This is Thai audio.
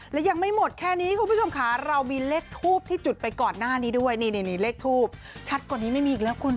และยังไม่หมดแค่นี้คุณผู้ชมค่ะเรามีเลขทูปที่จุดไปก่อนหน้านี้ด้วยนี่เลขทูปชัดกว่านี้ไม่มีอีกแล้วคุณ